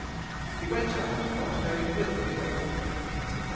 He went out not knowing whither he went.